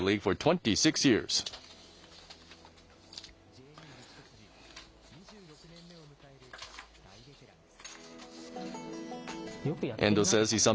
Ｊリーグ一筋２６年目を迎える大ベテランです。